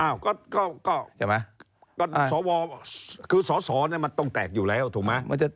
อ้าวก็ก็ก็คือสวเนี่ยมันต้องแตกอยู่แล้วถูกมั้ย